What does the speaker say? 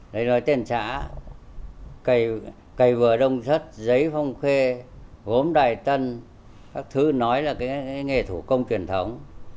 đấy là tên xã cầy vừa đông xuất giấy phong khê gốm đài tân các thứ nói là nghề thủ công truyền thống